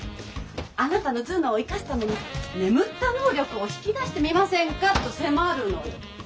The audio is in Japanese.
「あなたの頭脳を生かすために眠った能力を引き出してみませんか？」と迫るのよ。